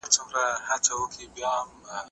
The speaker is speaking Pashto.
زه به اوږده موده موټر کار کر وم؟